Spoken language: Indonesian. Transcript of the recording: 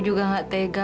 bea ke luar aku bertobat